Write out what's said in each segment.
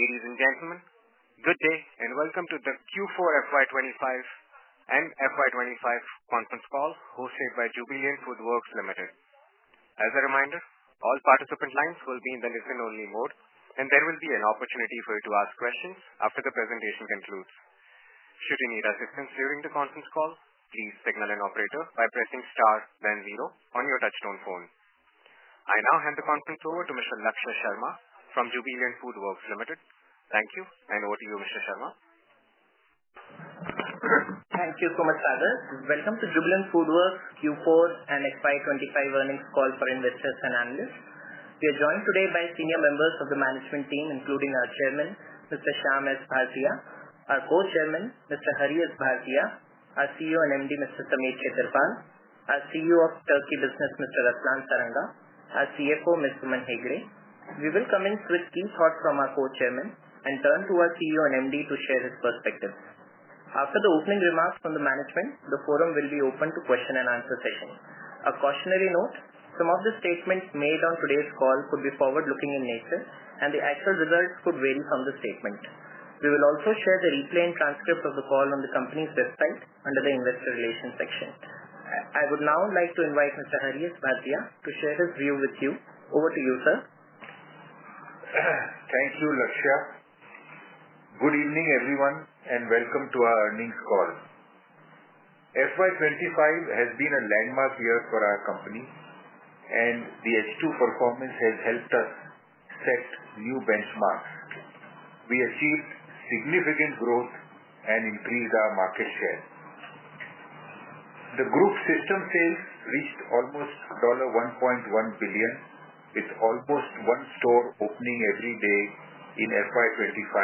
Ladies and gentlemen, good day and welcome to the Jubilant FoodWorks Limited Q3 and 9M FY '25 Conference Call. As a reminder, all participant lines will be in the listen-only mode. And there will be an opportunity for you to ask questions after the presentation concludes. Should you need assistance during this conference, please signal an operator by pressing "*" and then "0" on your touch tone phone. Please note that this conference is being recorded. I now hand the conference over to Mr. Lakshya Sharma. Thank you and over to you, sir. Thank you so much, Father. Welcome to Jubilant FoodWorks Q4 and FY2025 earnings call for investors and analysts. We are joined today by senior members of the management team, including our Chairman, Mr. Shyam S. Bharatia, our Co-Chairman, Mr. Hari S. Bharatia, our CEO and MD, Mr. Sameer Khetarpal, our CEO of Turkey Business, Mr. Aslan Saranga, our CFO, Ms. Suman Hegde. We will commence with key thoughts from our Co-Chairman and turn to our CEO and MD to share his perspective. After the opening remarks from the management, the forum will be open to question and answer session. A cautionary note: some of the statements made on today's call could be forward-looking in nature, and the actual results could vary from the statement. We will also share the replay and transcript of the call on the company's website under the investor relations section. I would now like to invite Mr. Hari S. Bhartia to share his view with you. Over to you, sir. Thank you, Lakshya. Good evening, everyone, and welcome to our earnings call. FY2025 has been a landmark year for our company, and the H2 performance has helped us set new benchmarks. We achieved significant growth and increased our market share. The group system sales reached almost $1.1 billion, with almost one store opening every day in FY2025,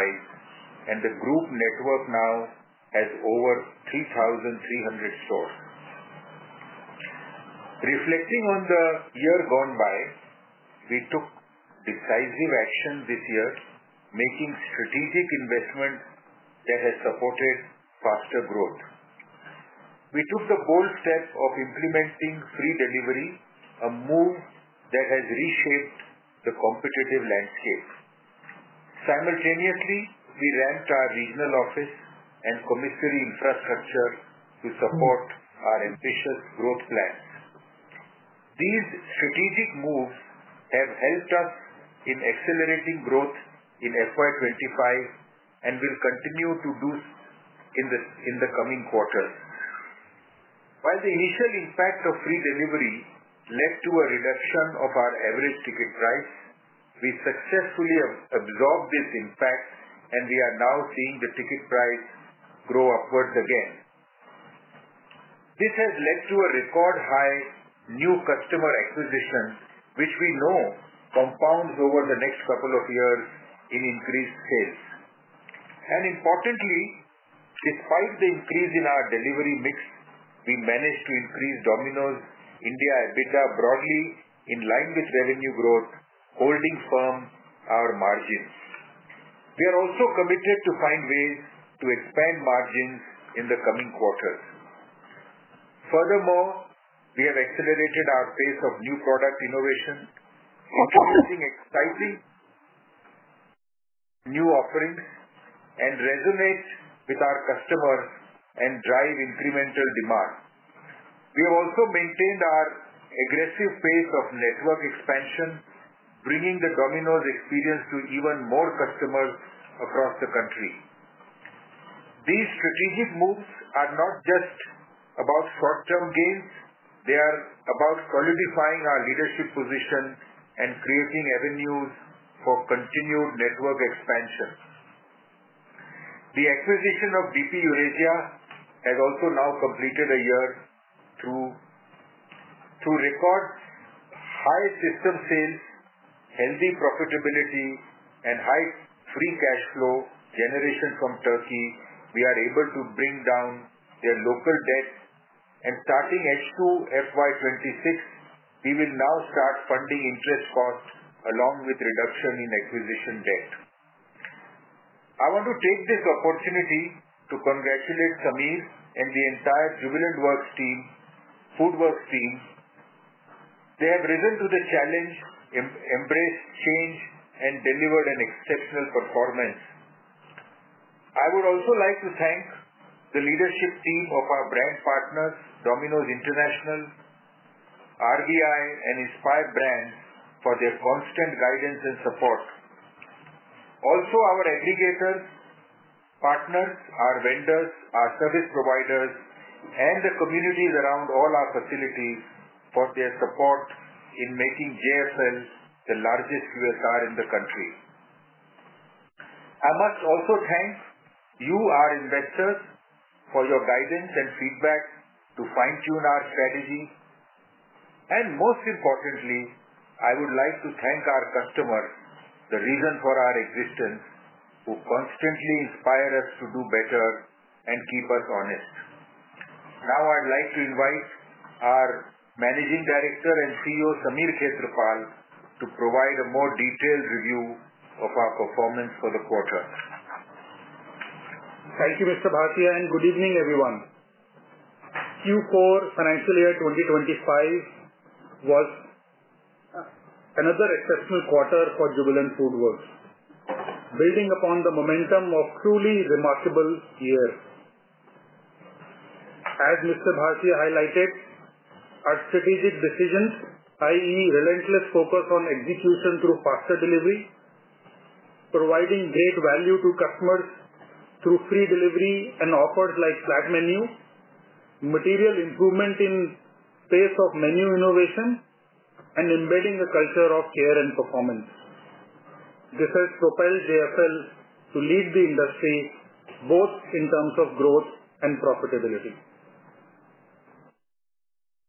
and the group network now has over 3,300 stores. Reflecting on the year gone by, we took decisive action this year, making strategic investment that has supported faster growth. We took the bold step of implementing free delivery, a move that has reshaped the competitive landscape. Simultaneously, we ramped our regional office and commissary infrastructure to support our ambitious growth plans. These strategic moves have helped us in accelerating growth in FY2025 and will continue to do so in the coming quarters. While the initial impact of free delivery led to a reduction of our average ticket price, we successfully absorbed this impact, and we are now seeing the ticket price grow upwards again. This has led to a record high new customer acquisition, which we know compounds over the next couple of years in increased sales. Importantly, despite the increase in our delivery mix, we managed to increase Domino's India EBITDA broadly in line with revenue growth, holding firm our margins. We are also committed to find ways to expand margins in the coming quarters. Furthermore, we have accelerated our pace of new product innovation, introducing exciting new offerings that resonate with our customers and drive incremental demand. We have also maintained our aggressive pace of network expansion, bringing the Domino's experience to even more customers across the country. These strategic moves are not just about short-term gains. They are about solidifying our leadership position and creating avenues for continued network expansion. The acquisition of BP Eurasia has also now completed a year through record high system sales, healthy profitability, and high free cash flow generation from Turkey. We are able to bring down their local debt, and starting H2 FY2026, we will now start funding interest cost along with reduction in acquisition debt. I want to take this opportunity to congratulate Sameer and the entire Jubilant FoodWorks team. They have risen to the challenge, embraced change, and delivered an exceptional performance. I would also like to thank the leadership team of our brand partners, Domino's International, RVI, and Inspire Brands for their constant guidance and support. Also, our aggregators, partners, our vendors, our service providers, and the communities around all our facilities for their support in making JFL the largest QSR in the country. I must also thank you, our investors, for your guidance and feedback to fine-tune our strategy. Most importantly, I would like to thank our customers, the reason for our existence, who constantly inspire us to do better and keep us honest. Now, I'd like to invite our Managing Director and CEO, Sameer Khetarpal, to provide a more detailed review of our performance for the quarter. Thank you, Mr. Bhartia, and good evening, everyone. Q4 Financial Year 2025 was another exceptional quarter for Jubilant FoodWorks, building upon the momentum of a truly remarkable year. As Mr. Bhartia highlighted, our strategic decisions, i.e., relentless focus on execution through faster delivery, providing great value to customers through free delivery and offers like flat menu, material improvement in the pace of menu innovation, and embedding a culture of care and performance. This has propelled JFL to lead the industry both in terms of growth and profitability.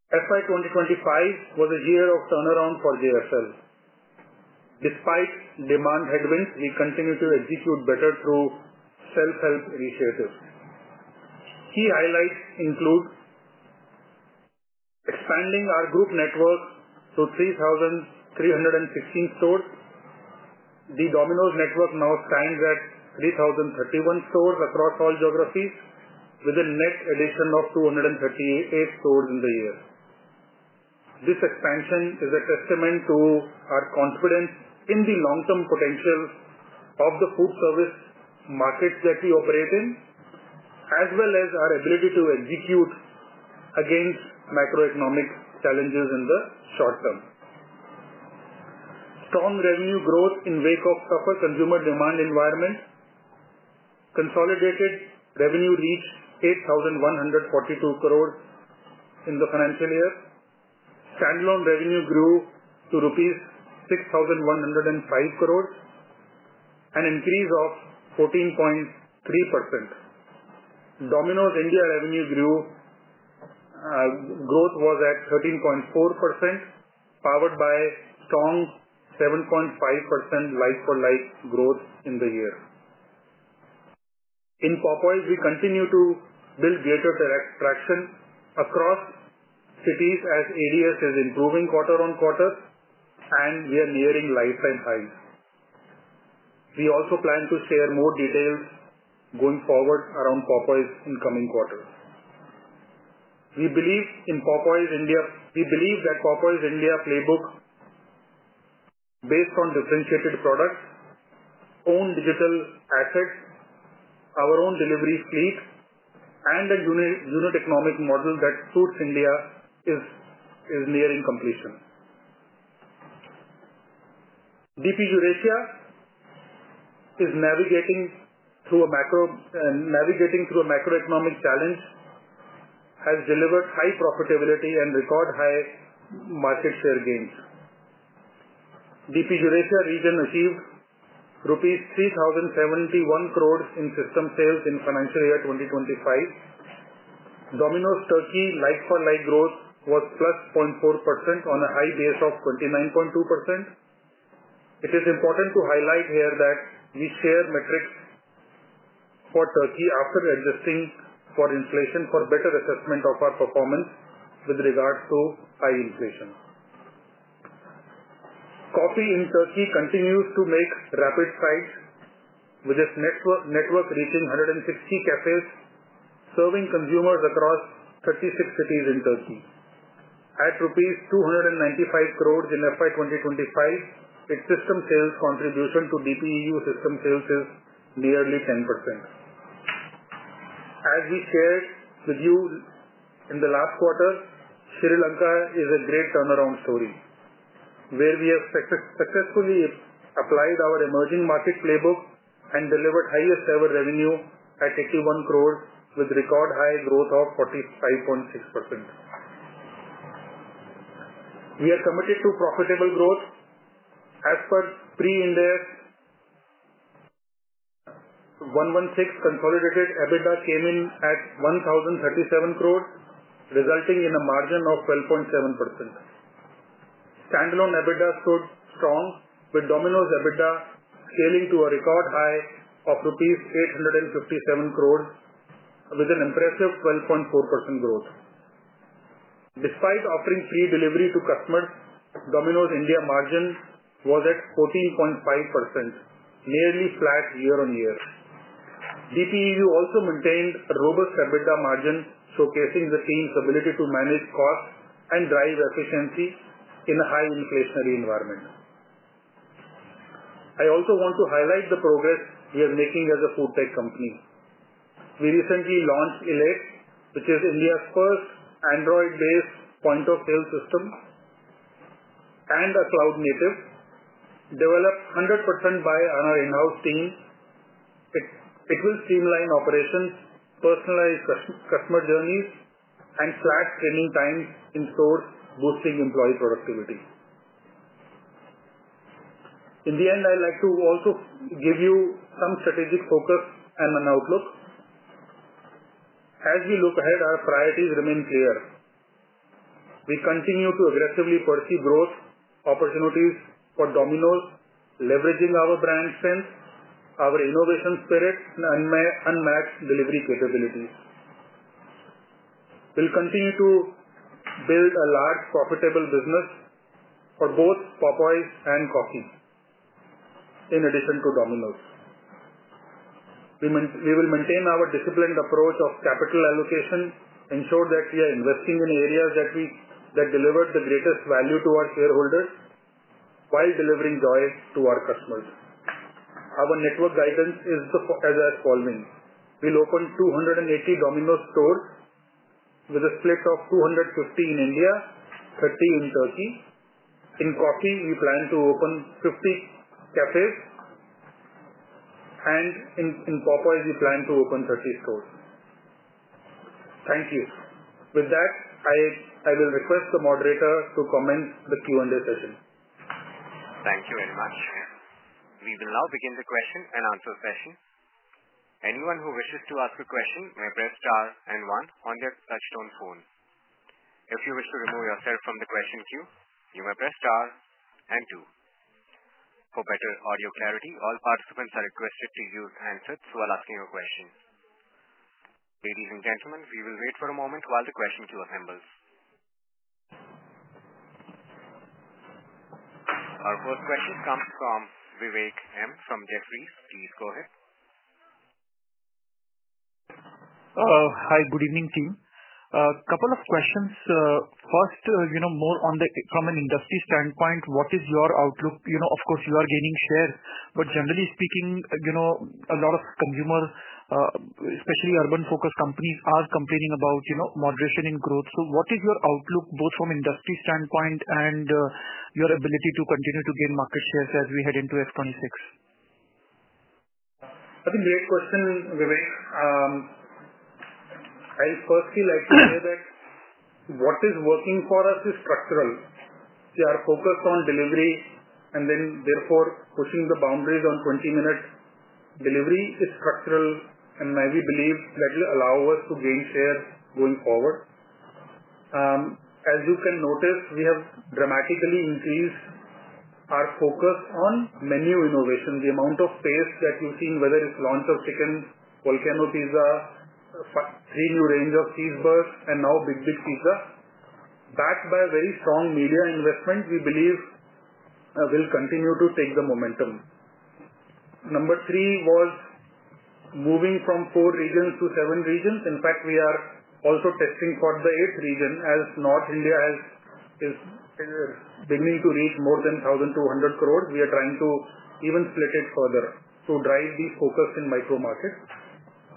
FY25 was a year of turnaround for JFL. Despite demand headwinds, we continue to execute better through self-help initiatives. Key highlights include expanding our group network to 3,316 stores. The Domino's network now stands at 3,031 stores across all geographies, with a net addition of 238 stores in the year. This expansion is a testament to our confidence in the long-term potential of the food service markets that we operate in, as well as our ability to execute against macroeconomic challenges in the short term. Strong revenue growth in the wake of a tougher consumer demand environment, consolidated revenue reached Rs 8,142 crore in the financial year. Standalone revenue grew to Rs 6,105 crore, an increase of 14.3%. Domino's India revenue growth was at 13.4%, powered by strong 7.5% like-for-like growth in the year. In Popeyes, we continue to build greater traction across cities as ADS is improving quarter on quarter, and we are nearing lifetime highs. We also plan to share more details going forward around Popeyes' incoming quarter. We believe that Popeyes India playbook, based on differentiated products, own digital assets, our own delivery fleet, and a unit economic model that suits India, is nearing completion. BP Eurasia is navigating through a macroeconomic challenge, has delivered high profitability, and record high market share gains. BP Eurasia region achieved Rs 3,071 crore in system sales in financial year 2025. Domino's Turkey like-for-like growth was +0.4% on a high base of 29.2%. It is important to highlight here that we share metrics for Turkey after adjusting for inflation for better assessment of our performance with regards to high inflation. Coffee in Turkey continues to make rapid strides, with its network reaching 160 cafes, serving consumers across 36 cities in Turkey. At Rs 295 crore in FY25, its system sales contribution to DPEU system sales is nearly 10%. As we shared with you in the last quarter, Sri Lanka is a great turnaround story, where we have successfully applied our emerging market playbook and delivered highest-ever revenue at Rs 81 crore, with record high growth of 45.6%. We are committed to profitable growth. As per pre-index, 116 consolidated EBITDA came in at Rs 1,037 crore, resulting in a margin of 12.7%. Standalone EBITDA stood strong, with Domino's EBITDA scaling to a record high of Rs 857 crore, with an impressive 12.4% growth. Despite offering free delivery to customers, Domino's India margin was at 14.5%, nearly flat year on year. DP Eurasia also maintained a robust EBITDA margin, showcasing the team's ability to manage costs and drive efficiency in a high inflationary environment. I also want to highlight the progress we are making as a food tech company. We recently launched ILET, which is India's first Android-based point-of-sale system and a cloud native, developed 100% by our in-house team. It will streamline operations, personalize customer journeys, and flat training times in stores, boosting employee productivity. In the end, I'd like to also give you some strategic focus and an outlook. As we look ahead, our priorities remain clear. We continue to aggressively pursue growth opportunities for Domino's, leveraging our brand strength, our innovation spirit, and unmatched delivery capabilities. We'll continue to build a large, profitable business for both Popeyes and Coffee, in addition to Domino's. We will maintain our disciplined approach of capital allocation, ensure that we are investing in areas that deliver the greatest value to our shareholders, while delivering joy to our customers. Our network guidance is as follows: We'll open 280 Domino's stores, with a split of 250 in India, 30 in Turkey. In Coffee, we plan to open 50 cafes, and in Popeyes, we plan to open 30 stores. Thank you. With that, I will request the moderator to commence the Q&A session. Thank you very much. We will now begin the question and answer session. Anyone who wishes to ask a question may press star and one on their touchstone phone. If you wish to remove yourself from the question queue, you may press star and two. For better audio clarity, all participants are requested to use handsets while asking a question. Ladies and gentlemen, we will wait for a moment while the question queue assembles. Our first question comes from Vivek Maheshwari from Jefferies. Please go ahead. Hello. Hi. Good evening, team. A couple of questions. First, more from an industry standpoint, what is your outlook? Of course, you are gaining share. Generally speaking, a lot of consumers, especially urban-focused companies, are complaining about moderation in growth. What is your outlook, both from an industry standpoint and your ability to continue to gain market shares as we head into F2026? That's a great question, Vivek. I'd firstly like to say that what is working for us is structural. We are focused on delivery, and therefore, pushing the boundaries on 20-minute delivery is structural, and I believe that will allow us to gain share going forward. As you can notice, we have dramatically increased our focus on menu innovation. The amount of pace that you've seen, whether it's launch of chicken, Chicken Volcano Pizza, three new ranges of cheeseburgers, and now Big Big Pizza, backed by very strong media investment, we believe will continue to take the momentum. Number three was moving from four regions to seven regions. In fact, we are also testing for the eighth region, as North India is beginning to reach more than Rs 1,200 crore. We are trying to even split it further to drive the focus in micro-markets.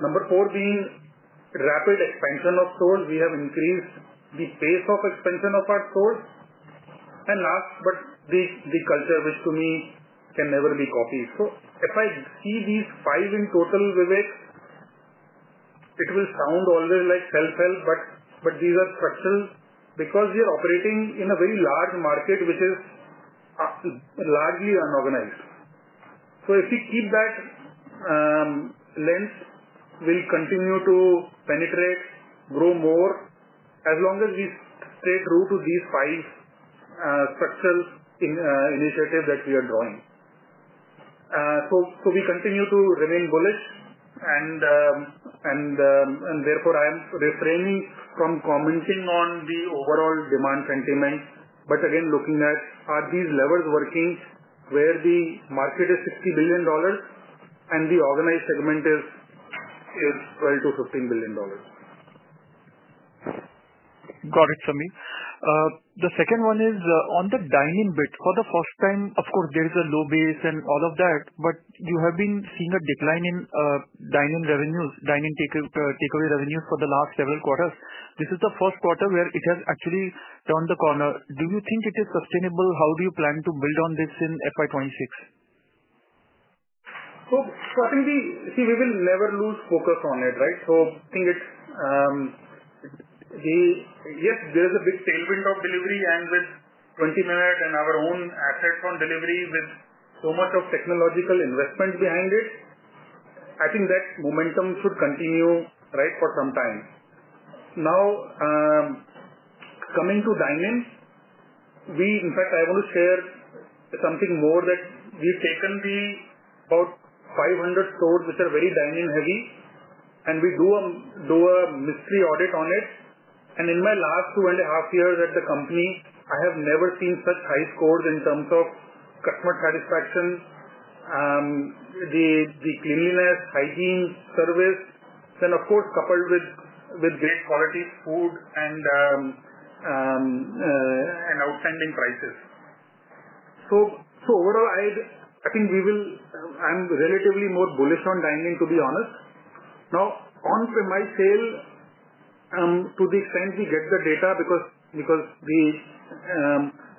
Number four being rapid expansion of stores. We have increased the pace of expansion of our stores. Last, but the culture, which to me can never be copied. If I see these five in total, Vivek, it will sound always like self-help, but these are structural because we are operating in a very large market, which is largely unorganized. If we keep that lens, we'll continue to penetrate, grow more as long as we stay true to these five structural initiatives that we are drawing. We continue to remain bullish, and therefore, I am refraining from commenting on the overall demand sentiment. Again, looking at, are these levers working where the market is $60 billion and the organized segment is $12-$15 billion? Got it, Sameer. The second one is on the dine-in bit. For the first time, of course, there is a low base and all of that, but you have been seeing a decline in dine-in revenues, dine-in takeaway revenues for the last several quarters. This is the first quarter where it has actually turned the corner. Do you think it is sustainable? How do you plan to build on this in FY26? See, we will never lose focus on it, right? I think it's yes, there is a big tailwind of delivery, and with 20-minute and our own assets on delivery, with so much of technological investment behind it, I think that momentum should continue for some time. Now, coming to dine-in, in fact, I want to share something more that we've taken about 500 stores which are very dine-in heavy, and we do a mystery audit on it. In my last two and a half years at the company, I have never seen such high scores in terms of customer satisfaction, the cleanliness, hygiene, service, and of course, coupled with great quality food and outstanding prices. Overall, I think I'm relatively more bullish on dine-in, to be honest. Now, on-premise sale, to the extent we get the data because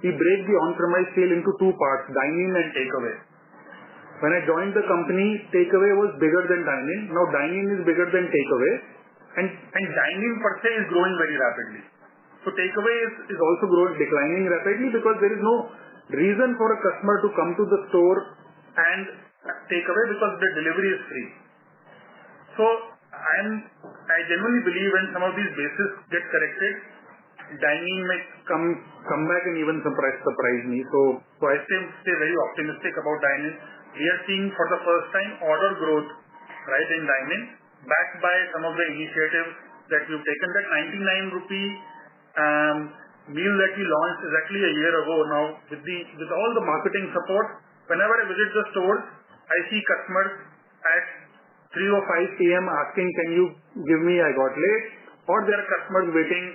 we break the on-premise sale into two parts: dine-in and takeaway. When I joined the company, takeaway was bigger than dine-in. Now, dine-in is bigger than takeaway, and dine-in per se is growing very rapidly. Takeaway is also declining rapidly because there is no reason for a customer to come to the store and takeaway because the delivery is free. I genuinely believe when some of these bases get corrected, dine-in may come back and even surprise me. I stay very optimistic about dine-in. We are seeing for the first time order growth in dine-in, backed by some of the initiatives that we've taken. That Rs 99 Meal that we launched exactly a year ago, now with all the marketing support, whenever I visit the stores, I see customers at 3:00 P.M. or 5:00 P.M. asking, "Can you give me? I got late," or there are customers waiting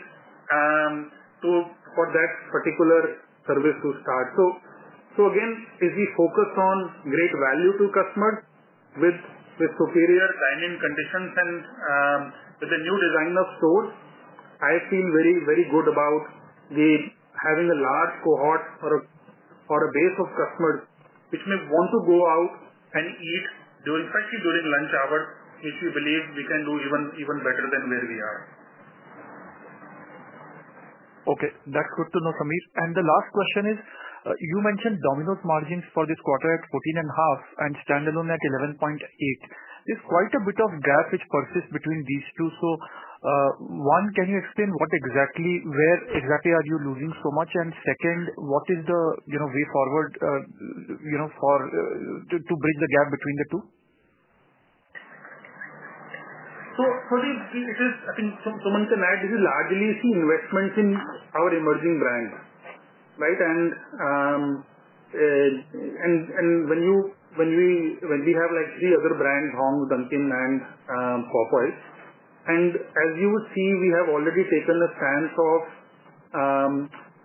for that particular service to start. If we focus on great value to customers with superior dine-in conditions and with a new design of stores, I feel very, very good about having a large cohort or a base of customers which may want to go out and eat especially during lunch hours, which we believe we can do even better than where we are. Okay. That's good to know, Sameer. The last question is, you mentioned Domino's margins for this quarter at 14.5% and standalone at 11.8%. There is quite a bit of gap which persists between these two. One, can you explain where exactly are you losing so much? Second, what is the way forward to bridge the gap between the two? I think, Suman Hegde, this is largely investments in our emerging brands. When we have three other brands, Hong's, Dunkin', and Popeyes, and as you see, we have already taken a stance of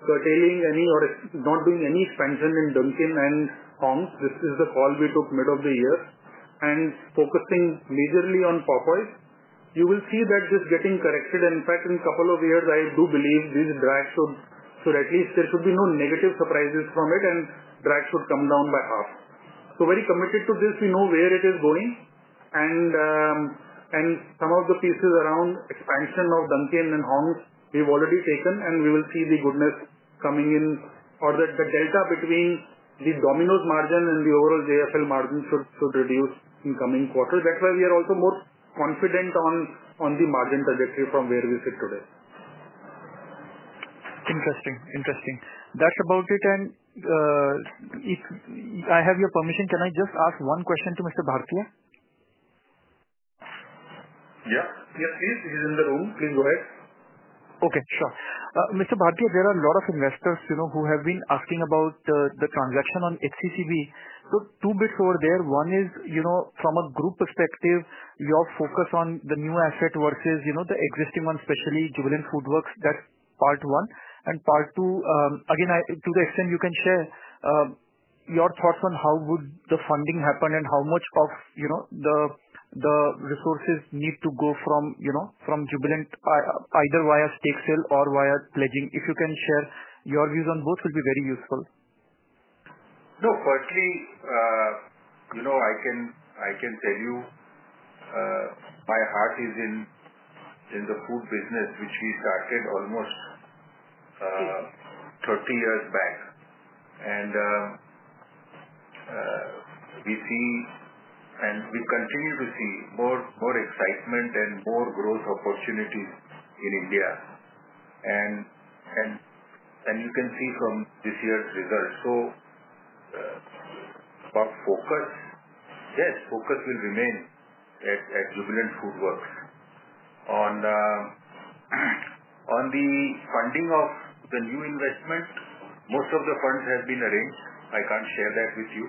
curtailing any or not doing any expansion in Dunkin' and Hong's. This is the call we took mid of the year, and focusing majorly on Popeyes, you will see that this is getting corrected. In fact, in a couple of years, I do believe this drag should at least, there should be no negative surprises from it, and drag should come down by half. Very committed to this. We know where it is going. Some of the pieces around expansion of Dunkin' and Hong's, we've already taken, and we will see the goodness coming in, or the delta between the Domino's margin and the overall JFL margin should reduce in coming quarters. That's why we are also more confident on the margin trajectory from where we sit today. Interesting. Interesting. That's about it. If I have your permission, can I just ask one question to Mr. Bhartia? Yeah. Yes, please. He's in the room. Please go ahead. Okay. Sure. Mr. Bhartia, there are a lot of investors who have been asking about the transaction on HCCB. Two bits over there. One is, from a group perspective, your focus on the new asset versus the existing one, especially Jubilant FoodWorks. That's part one. Part two, again, to the extent you can share your thoughts on how would the funding happen and how much of the resources need to go from Jubilant, either via stake sale or via pledging? If you can share your views on both, it would be very useful. No. Partly, I can tell you my heart is in the food business, which we started almost 30 years back. We see, and we continue to see, more excitement and more growth opportunities in India. You can see from this year's results. Our focus, yes, focus will remain at Jubilant FoodWorks. On the funding of the new investment, most of the funds have been arranged. I can't share that with you.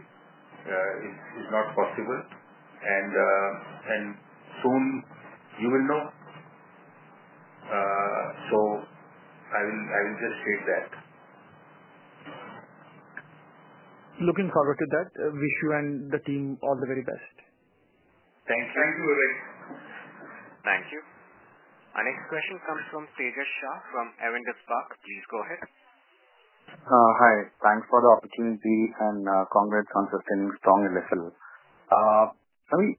It's not possible. Soon you will know. I will just state that. Looking forward to that. Wish you and the team all the very best. Thank you. Thank you, Vivek. Thank you. Our next question comes from Tejas Shah from Aventus Park. Please go ahead. Hi. Thanks for the opportunity and congrats on sustaining strong SSG. Sameer,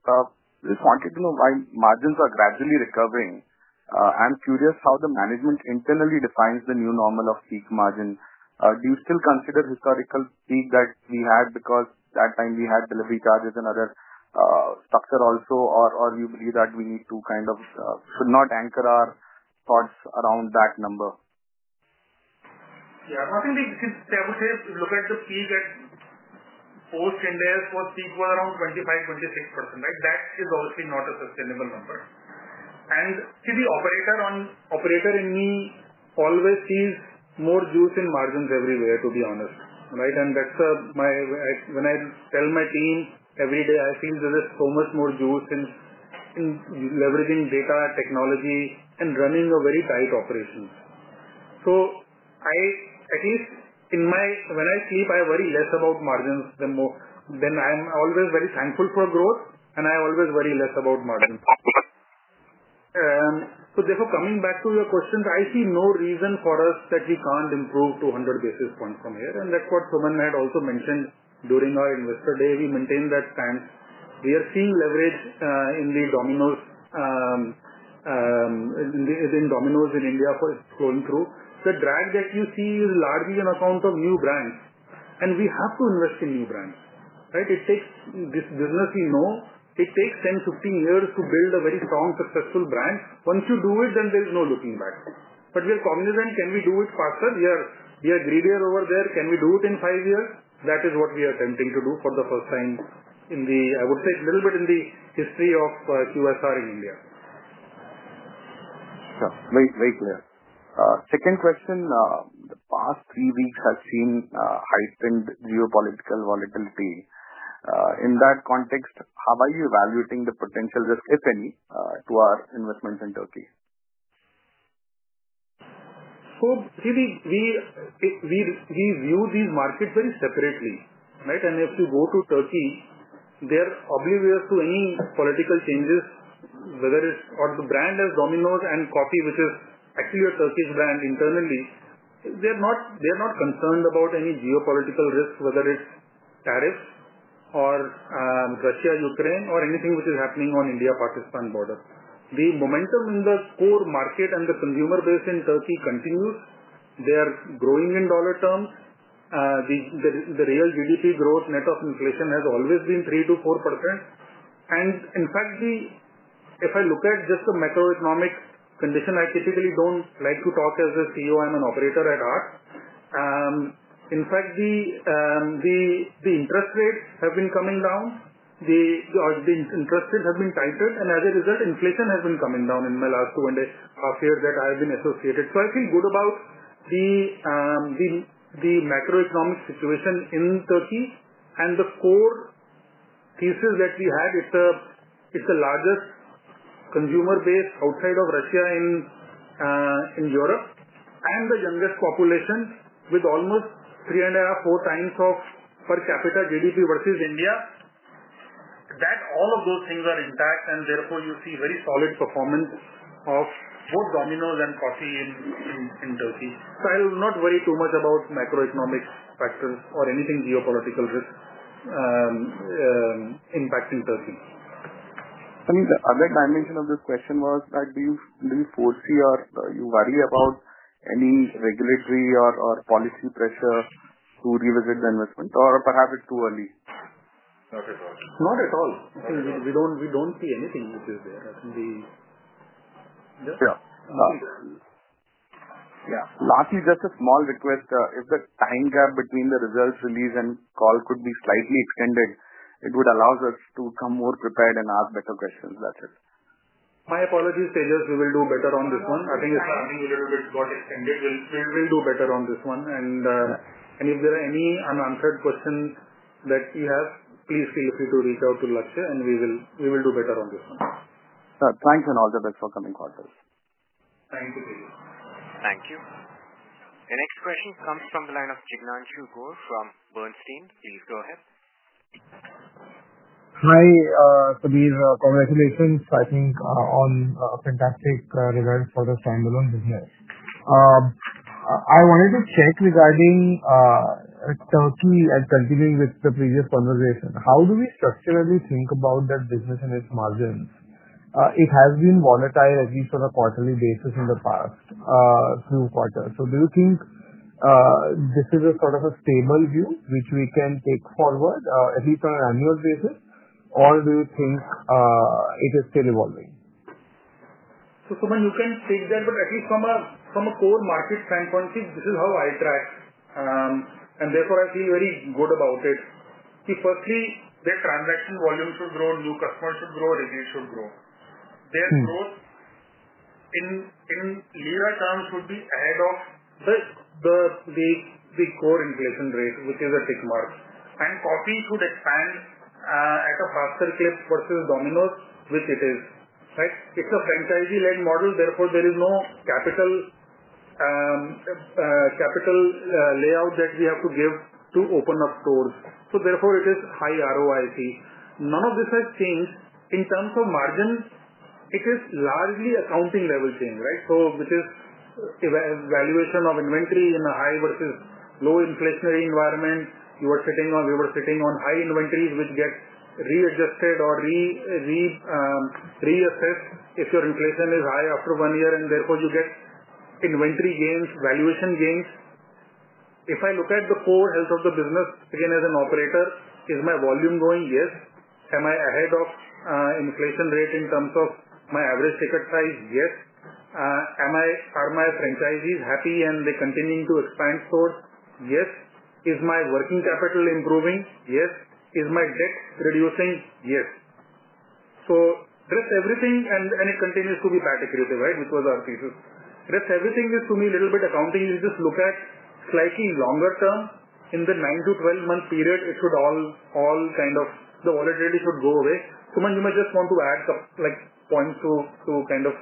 just wanted to know why margins are gradually recovering. I'm curious how the management internally defines the new normal of peak margin. Do you still consider historical peak that we had because at that time we had delivery charges and other structure also, or do you believe that we need to kind of should not anchor our thoughts around that number? Yeah. I think we should look at the peak at post-index was peak was around 25-26%, right? That is obviously not a sustainable number. See, the operator in me always sees more juice in margins everywhere, to be honest, right? When I tell my team every day, I feel there is so much more juice in leveraging data technology and running a very tight operation. At least when I sleep, I worry less about margins. I am always very thankful for growth, and I always worry less about margins. Therefore, coming back to your question, I see no reason for us that we cannot improve to 100 basis points from here. That is what Suman had also mentioned during our investor day. We maintain that stance. We are seeing leverage in the Domino's in India for going through. The drag that you see is largely on account of new brands. We have to invest in new brands, right? This business, we know, it takes 10-15 years to build a very strong, successful brand. Once you do it, there is no looking back. We are cognizant. Can we do it faster? Yeah. We are greedier over there. Can we do it in five years? That is what we are attempting to do for the first time in, I would say, a little bit in the history of QSR in India. Yeah. Very clear. Second question. The past three weeks have seen heightened geopolitical volatility. In that context, how are you evaluating the potential risk, if any, to our investments in Turkey? We view these markets very separately, right? If you go to Turkey, they're oblivious to any political changes, whether it's or the brand as Domino's and coffee, which is actually a Turkish brand internally, they're not concerned about any geopolitical risk, whether it's tariffs or Russia, Ukraine, or anything which is happening on India-Pakistan border. The momentum in the core market and the consumer base in Turkey continues. They are growing in dollar terms. The real GDP growth, net of inflation, has always been 3-4%. In fact, if I look at just the macroeconomic condition, I typically don't like to talk as a CEO. I'm an operator at heart. In fact, the interest rates have been coming down. The interest rates have been tightened. As a result, inflation has been coming down in the last two and a half years that I have been associated. I feel good about the macroeconomic situation in Turkey. The core pieces that we had, it's the largest consumer base outside of Russia in Europe and the youngest population with almost three and a half-four times of per capita GDP versus India. All of those things are intact, and therefore you see very solid performance of both Domino's and coffee in Turkey. I will not worry too much about macroeconomic factors or anything geopolitical risk impacting Turkey. Sameer, the other dimension of this question was that do you foresee or do you worry about any regulatory or policy pressure to revisit the investment, or perhaps it's too early? Not at all. Not at all. We don't see anything which is there. Yeah. Lastly, just a small request. If the time gap between the results release and call could be slightly extended, it would allow us to come more prepared and ask better questions. That's it. My apologies, Tejas. We will do better on this one. I think the timing a little bit got extended. We will do better on this one. If there are any unanswered questions that you have, please feel free to reach out to Lakshya, and we will do better on this one. Thanks and all the best for coming forward. Thank you, Tejas. Thank you. The next question comes from the line of Jignanshu Gor from Bernstein. Please go ahead. Hi, Sameer. Congratulations. I think on fantastic results for the standalone business. I wanted to check regarding Turkey and continuing with the previous conversation. How do we structurally think about that business and its margins? It has been volatile, at least on a quarterly basis in the past few quarters. Do you think this is a sort of a stable view which we can take forward, at least on an annual basis, or do you think it is still evolving? Suman, you can take that, but at least from a core market standpoint, this is how I track. Therefore, I feel very good about it. Firstly, their transaction volume should grow, new customers should grow, revenue should grow. Their growth in Lira terms should be ahead of the core inflation rate, which is a tick mark. Coffee should expand at a faster clip versus Domino's, which it is, right? It is a franchisee-led model. Therefore, there is no capital layout that we have to give to open up stores. Therefore, it is high ROIC. None of this has changed. In terms of margin, it is largely accounting level change, right? Which is evaluation of inventory in a high versus low inflationary environment. You were sitting on high inventories which get readjusted or reassessed if your inflation is high after one year, and therefore you get inventory gains, valuation gains. If I look at the core health of the business, again, as an operator, is my volume growing? Yes. Am I ahead of inflation rate in terms of my average ticket size? Yes. Are my franchisees happy and they're continuing to expand stores? Yes. Is my working capital improving? Yes. Is my debt reducing? Yes. Dress everything, and it continues to be that aggressive, right? Which was our thesis. Dress everything is to me a little bit accounting. You just look at slightly longer term. In the 9-12 month period, it should all kind of the volatility should go away. Suman, you might just want to add points to kind of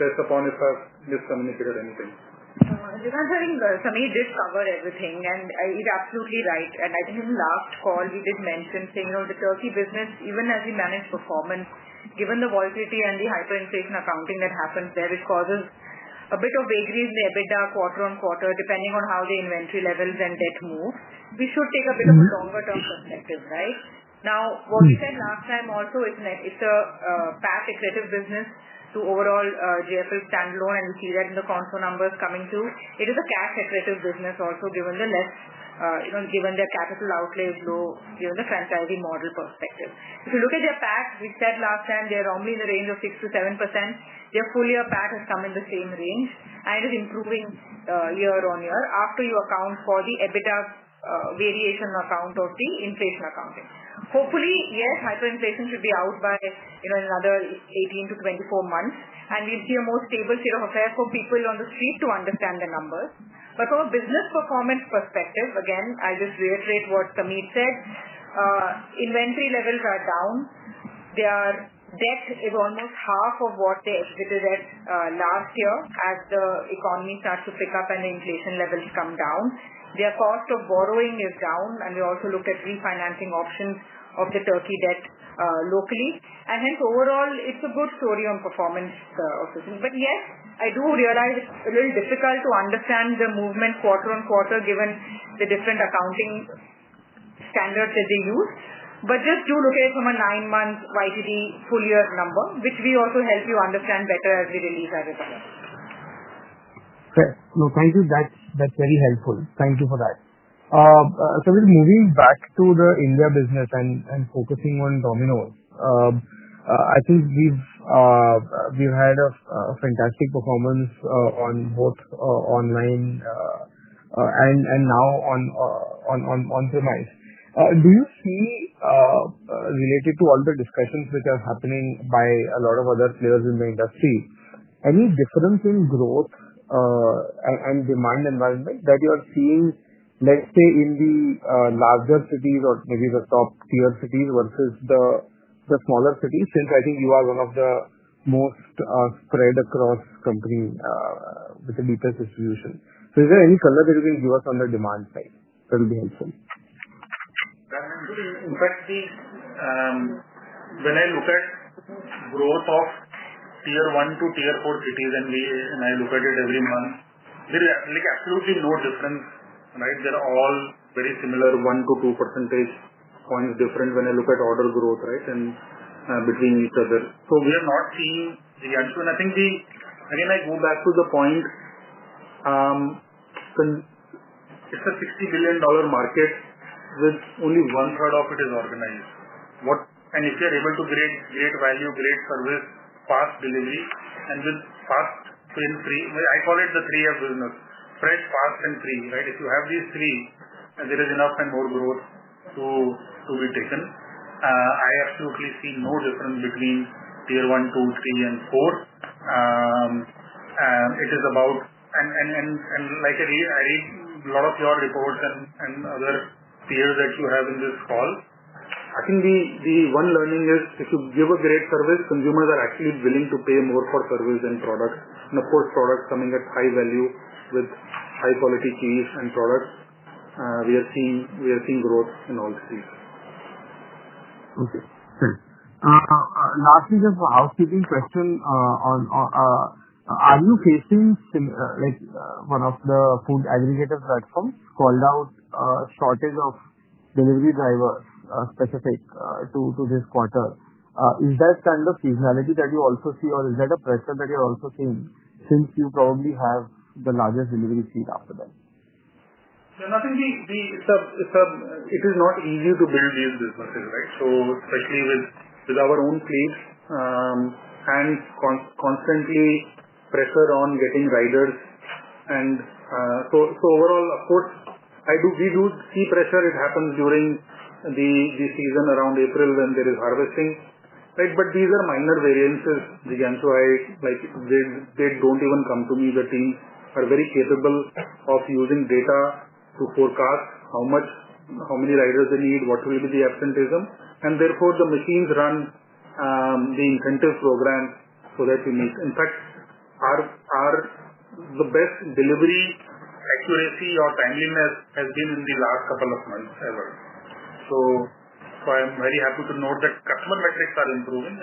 stress upon if I've miscommunicated anything. Jignanshu Gor and Sameer did cover everything, and you're absolutely right. I think in the last call, we did mention saying the Turkey business, even as we manage performance, given the volatility and the hyperinflation accounting that happens there, which causes a bit of vagary in the EBITDA quarter on quarter, depending on how the inventory levels and debt move, we should take a bit of a longer-term perspective, right? Now, what we said last time also, it's a PAT-accretive business to overall JFL standalone, and you see that in the console numbers coming through. It is a cash-accretive business also, given the less, given their capital outlay is low, given the franchisee model perspective. If you look at their PAT, we said last time, they're only in the range of 6-7%. Their full-year PAT has come in the same range, and it is improving year on year after you account for the EBITDA variation account of the inflation accounting. Hopefully, yes, hyperinflation should be out by another 18-24 months, and we'll see a more stable state of affairs for people on the street to understand the numbers. From a business performance perspective, again, I'll just reiterate what Sameer said. Inventory levels are down. Debt is almost half of what they exited at last year as the economy starts to pick up and the inflation levels come down. Their cost of borrowing is down, and we also looked at refinancing options of the Turkey debt locally. Hence, overall, it's a good story on performance of this. Yes, I do realize it's a little difficult to understand the movement quarter on quarter given the different accounting standards that they use. Just do look at it from a nine-month YTD full-year number, which we also help you understand better as we release everything. Okay. No, thank you. That's very helpful. Thank you for that. Sameer, moving back to the India business and focusing on Domino's, I think we've had a fantastic performance on both online and now on-premise. Do you see, related to all the discussions which are happening by a lot of other players in the industry, any difference in growth and demand environment that you are seeing, let's say, in the larger cities or maybe the top-tier cities versus the smaller cities? Since I think you are one of the most spread across companies with the deepest distribution. So is there any color that you can give us on the demand side? That will be helpful. In fact, when I look at growth of tier one to tier four cities and I look at it every month, there is absolutely no difference, right? They're all very similar, one to two percentage points different when I look at order growth, right, between each other. We are not seeing the answer. I think, again, I go back to the point, it's a $60 billion market with only one third of it organized. If you're able to create great value, great service, fast delivery, and with fast, spin free, I call it the three F business, fresh, fast, and free, right? If you have these three, there is enough and more growth to be taken. I absolutely see no difference between tier one, two, three, and four. It is about, and like I read a lot of your reports and other peers that you have in this call, I think the one learning is if you give a great service, consumers are actually willing to pay more for service and product. Of course, products coming at high value with high-quality keys and products. We are seeing growth in all these. Okay. Thanks. Lastly, just a housekeeping question. Are you facing one of the food aggregator platforms called out shortage of delivery drivers specific to this quarter? Is that kind of seasonality that you also see, or is that a pressure that you're also seeing since you probably have the largest delivery fleet after that? No, nothing. It is not easy to build these businesses, right? Especially with our own fleet and constant pressure on getting riders. Overall, of course, we do see pressure. It happens during the season around April when there is harvesting, right? These are minor variances. Jignanshu Gor, they do not even come to me. The team are very capable of using data to forecast how many riders they need, what will be the absenteeism. Therefore, the machines run the incentive program so that we meet. In fact, the best delivery accuracy or timeliness has been in the last couple of months ever. I am very happy to note that customer metrics are improving,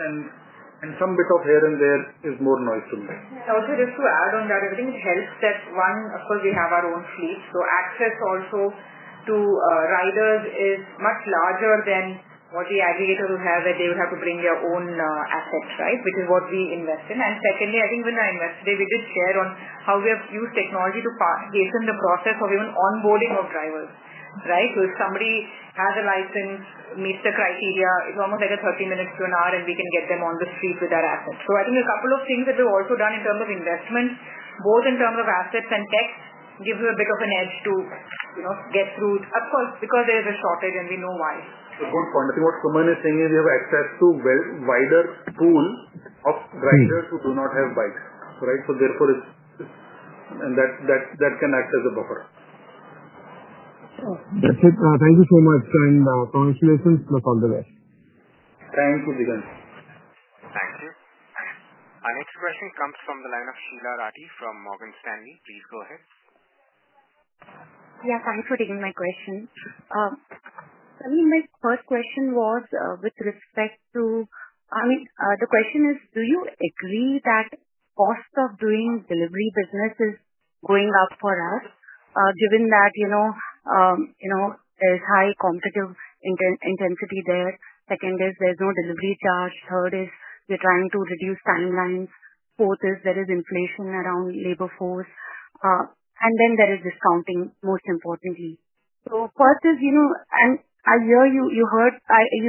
and some bit of here and there is more noise to me. I was going to just add on that. I think it helps that one, of course, we have our own fleet. Access also to riders is much larger than what the aggregator will have where they would have to bring their own assets, right, which is what we invest in. Secondly, I think when I invested there, we did share on how we have used technology to hasten the process of even onboarding of drivers, right? If somebody has a license, meets the criteria, it is almost like a 30-minute Q&R, and we can get them on the street with our assets. I think a couple of things that we have also done in terms of investment, both in terms of assets and tech, gives you a bit of an edge to get through, of course, because there is a shortage and we know why. A good point. I think what Suman is saying is you have access to a wider pool of riders who do not have bikes, right? Therefore, that can act as a buffer. Sure. That is it. Thank you so much. And congratulations to us all the best. Thank you, Jignanshu. Thank you. Our next question comes from the line of Sheela Rathi from Morgan Stanley. Please go ahead. Yes, I'm including migration. Sameer, my first question was with respect to, I mean, the question is, do you agree that cost of doing delivery business is going up for us given that there is high competitive intensity there? Second is there's no delivery charge. Third is we're trying to reduce timelines. Fourth is there is inflation around labor force. And then there is discounting, most importantly. First is, and I hear you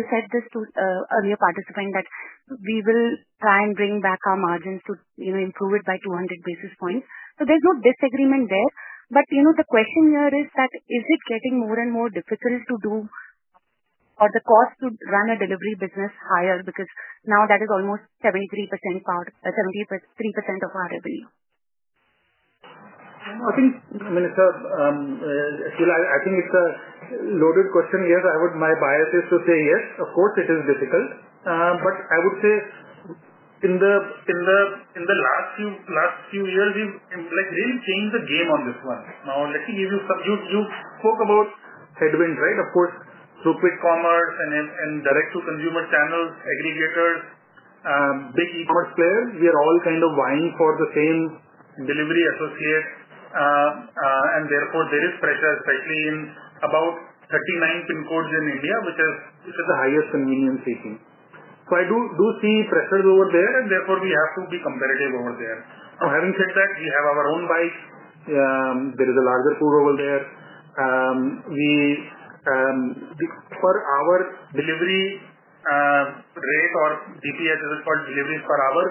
said this to a participant that we will try and bring back our margins to improve it by 200 basis points. There's no disagreement there. The question here is that is it getting more and more difficult to do or the cost to run a delivery business higher because now that is almost 73% of our revenue? I think, I mean, it's a few, I think it's a loaded question here. My bias is to say yes, of course, it is difficult. I would say in the last few years, we've really changed the game on this one. Now, let me give you some news. You spoke about headwinds, right? Of course, through quick commerce and direct-to-consumer channels, aggregators, big e-commerce players, we are all kind of vying for the same delivery associate. Therefore, there is pressure, especially in about 39 PIN codes in India, which is the highest convenience seeking. I do see pressures over there, and therefore, we have to be competitive over there. Now, having said that, we have our own bikes. There is a larger pool over there. For our delivery rate or DPS, as it's called, deliveries per hour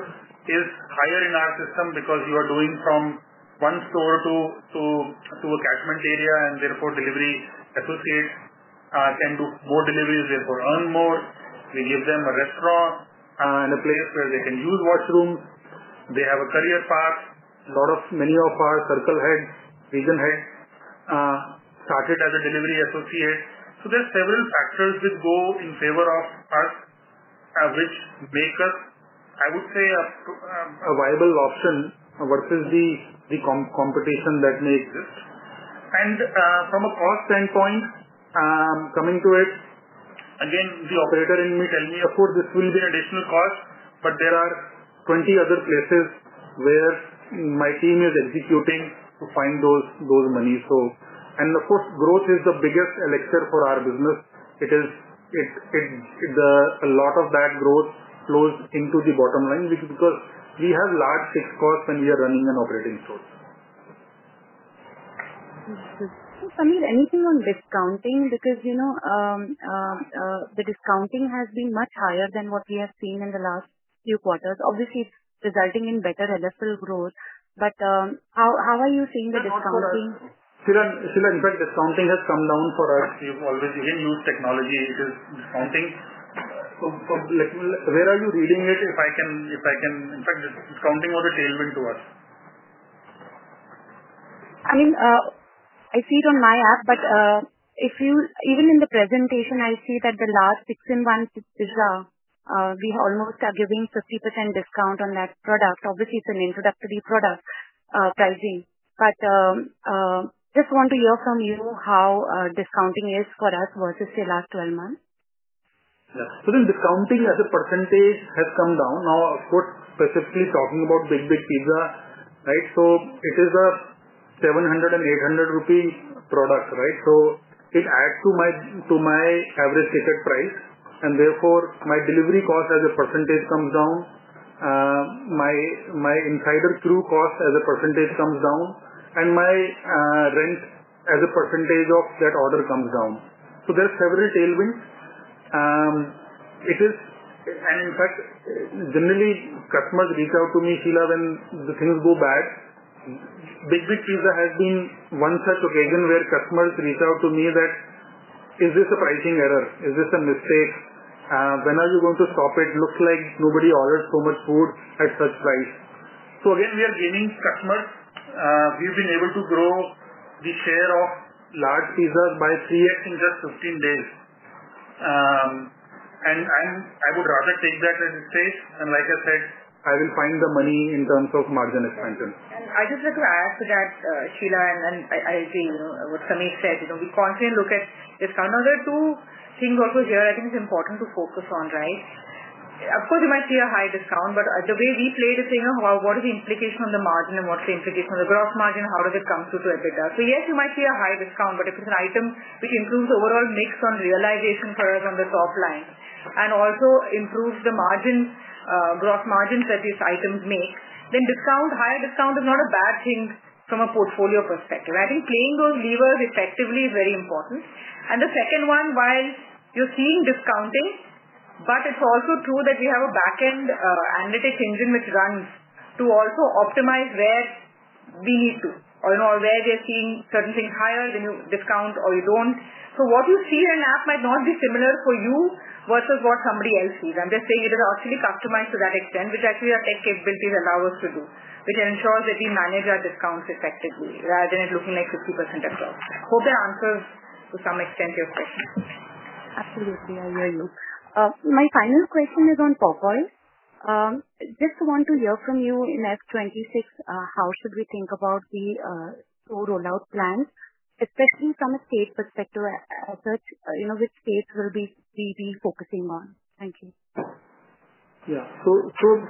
is higher in our system because you are doing from one store to a catchment area, and therefore, delivery associates can do more deliveries, therefore earn more. We give them a restaurant and a place where they can use washrooms. They have a career path. Many of our circle heads, region heads started as a delivery associate. There are several factors which go in favor of us, which make us, I would say, a viable option versus the competition that may exist. From a cost standpoint, coming to it, again, the operator in me tells me, "Of course, this will be an additional cost, but there are 20 other places where my team is executing to find those money." Growth is the biggest elixir for our business. It is a lot of that growth flows into the bottom line because we have large fixed costs when we are running an operating store. Sameer, anything on discounting? Because the discounting has been much higher than what we have seen in the last few quarters. Obviously, it's resulting in better LFL growth. How are you seeing the discounting? Sheela, in fact, discounting has come down for us. You always use technology. It is discounting. So where are you reading it, if I can? In fact, discounting was a tailwind to us. I mean, I see it on my app, but even in the presentation, I see that the last 6 in 1, we almost are giving 50% discount on that product. Obviously, it's an introductory product pricing. Just want to hear from you how discounting is for us versus the last 12 months. Yeah. So then discounting as a % has come down. Now, of course, specifically talking about Big Big Pizza, right? It is a Rs 700 and Rs 800 product, right? It adds to my average ticket price. Therefore, my delivery cost as a % comes down. My insider crew cost as a % comes down. My rent as a % of that order comes down. There are several tailwinds. In fact, generally, customers reach out to me, Sheela, when things go bad. Big Big Pizza has been one such occasion where customers reach out to me that, "Is this a pricing error? Is this a mistake? When are you going to stop it? Looks like nobody ordered so much food at such price." Again, we are gaining customers. We've been able to grow the share of large pizzas by 3x in just 15 days. I would rather take that as a stake. Like I said, I will find the money in terms of margin expansion. I just like to add to that, Sheela, and I agree with what Sameer said, we constantly look at discount. Now, there are two things also here I think it's important to focus on, right? Of course, you might see a high discount, but the way we played is, what is the implication on the margin and what's the implication on the gross margin? How does it come through to EBITDA? Yes, you might see a high discount, but if it's an item which improves the overall mix on realization for us on the top line and also improves the gross margins that these items make, then higher discount is not a bad thing from a portfolio perspective. I think playing those levers effectively is very important. The second one, while you're seeing discounting, it is also true that we have a backend analytics engine which runs to also optimize where we need to or where we are seeing certain things higher, then you discount or you don't. What you see in an app might not be similar for you versus what somebody else sees. I'm just saying it is actually customized to that extent, which actually our tech capabilities allow us to do, which ensures that we manage our discounts effectively rather than it looking like 50% across. Hope that answers to some extent your question. Absolutely. I hear you. My final question is on portfolio. Just want to hear from you in S26, how should we think about the roll-out plans, especially from a state perspective, which states will we be focusing on? Thank you. Yeah. So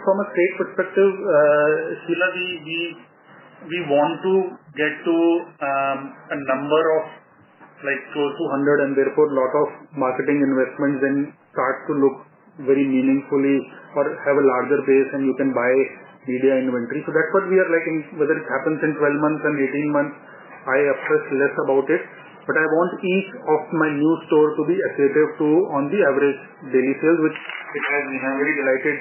from a state perspective, Sheela, we want to get to a number of close to 100 and therefore a lot of marketing investments and start to look very meaningfully or have a larger base and you can buy media inventory. That is what we are liking. Whether it happens in 12 months and 18 months, I express less about it. I want each of my new stores to be accurate too on the average daily sales, which we have been very delighted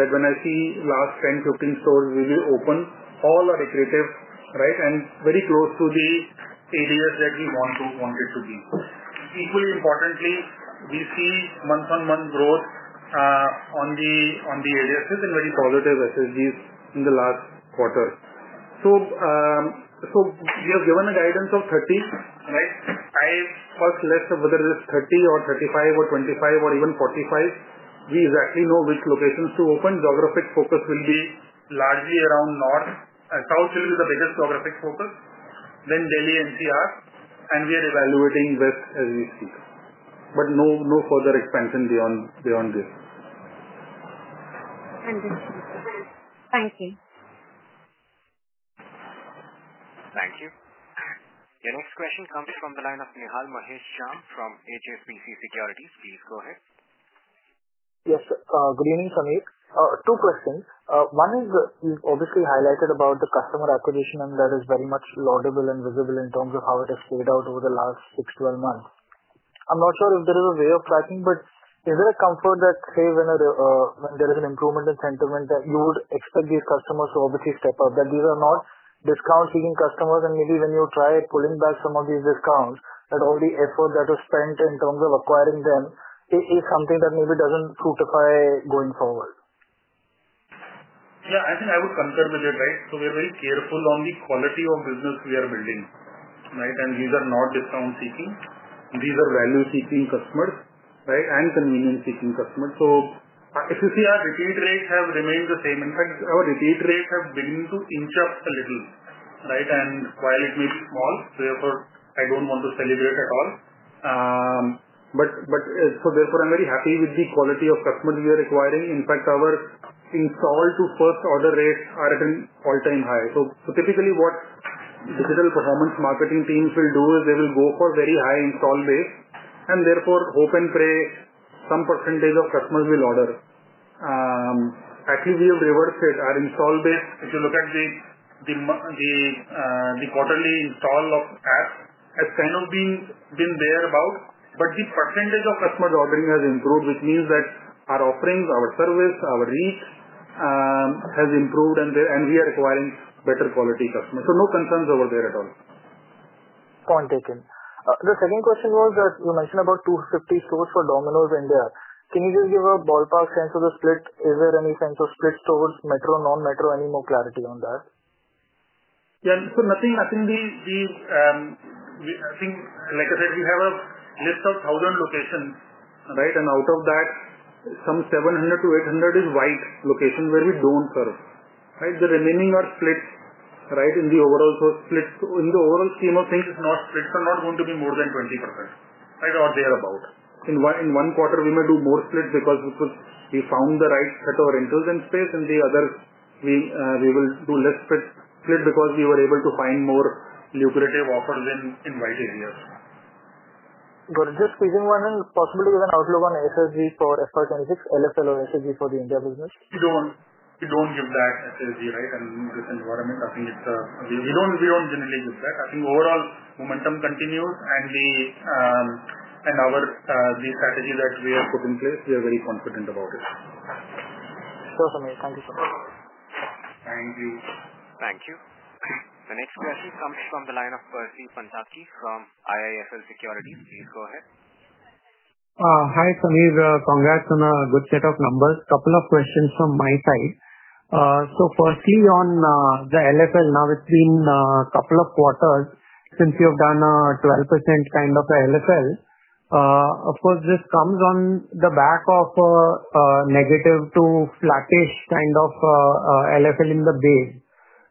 that when I see last 10, 15 stores we opened, all are accurate, right, and very close to the areas that we wanted to be. Equally importantly, we see month-on-month growth on the areas and very positive SSGs in the last quarter. We have given a guidance of 30, right? I first list whether it is 30 or 35 or 25 or even 45. We exactly know which locations to open. Geographic focus will be largely around north. South, Sri Lanka is the biggest geographic focus. Then Delhi NCR, and we are evaluating west as we speak. No further expansion beyond this. Thank you. Thank you. Your next question comes from the line of Nihal Jham from HSBC Securities. Please go ahead. Yes. Good evening, Sameer. Two questions. One is you've obviously highlighted about the customer acquisition, and that is very much laudable and visible in terms of how it has played out over the last 6, 12 months. I'm not sure if there is a way of tracking, but is there a comfort that, say, when there is an improvement in sentiment that you would expect these customers to obviously step up, that these are not discount-seeking customers? Maybe when you try pulling back some of these discounts, that all the effort that was spent in terms of acquiring them is something that maybe does not fruitify going forward? Yeah. I think I would concur with it, right? We are very careful on the quality of business we are building, right? These are not discount-seeking. These are value-seeking customers, right, and convenience-seeking customers. SSCR retail rates have remained the same. In fact, our retail rates have begun to inch up a little, right? While it may be small, therefore, I do not want to celebrate at all. Therefore, I am very happy with the quality of customers we are acquiring. In fact, our install-to-first-order rates are at an all-time high. Typically, what digital performance marketing teams will do is they will go for very high install base and therefore hope and pray some percentage of customers will order. Actually, we have reversed it. Our install base, if you look at the quarterly install of apps, has kind of been there about. The percentage of customers ordering has improved, which means that our offerings, our service, our reach has improved, and we are acquiring better quality customers. So no concerns over there at all. Point taken. The second question was that you mentioned about 250 stores for Domino's India. Can you just give a ballpark sense of the split? Is there any sense of split stores, metro, non-metro? Any more clarity on that? Yeah. So nothing. I think, like I said, we have a list of 1,000 locations, right? And out of that, some 700-800 is white locations where we do not serve, right? The remaining are split, right, in the overall. So split in the overall scheme of things, it is not split. It is not going to be more than 20%, right, or thereabout. In one quarter, we may do more split because we found the right set of rentals and space. In the others, we will do less split because we were able to find more lucrative offers in white areas. Got it. Just quizzing one in, possibly give an outlook on SSG for SR26, LFL or SSG for the India business. We do not give that SSG, right, in this environment. I think we do not generally give that. I think overall momentum continues, and the strategy that we have put in place, we are very confident about it. Thank you. Thank you. Thank you. The next question comes from the line of Percy Panthaki from IIFL SECURITIES. Please go ahead. Hi, Sameer. Congrats on a good set of numbers. A couple of questions from my side. Firstly, on the LFL, now it's been a couple of quarters since you have done a 12% kind of LFL. Of course, this comes on the back of a negative to flattish kind of LFL in the base.